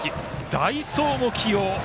代走を起用。